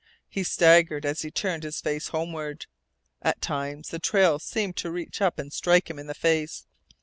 He staggered as he turned his face homeward. At times the trail seemed to reach up and strike him in the face.